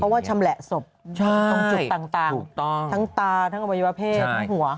เพราะว่าชำแหละศพตรงจุดต่างทั้งตาทั้งอวัยวเพศทั้งหัว